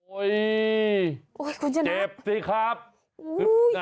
โอ๊ยเจ็บสิครับคุณชนะ